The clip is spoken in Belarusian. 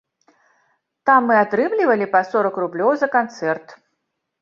Там мы атрымлівалі па сорак рублёў за канцэрт.